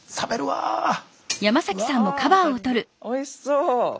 わあおいしそう。